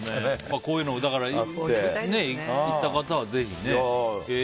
こういうの、行った方はぜひね。